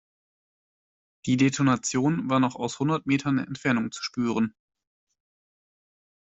Die Detonation war noch aus hundert Metern Entfernung zu spüren.